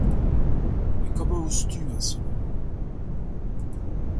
Mais comment oses-tu insolent ?